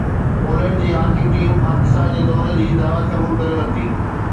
Poland جي hockey team Pakistan جي دوري جي دعوت قبول ڪري ورتي